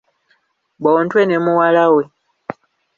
Bontwe ne muwala we.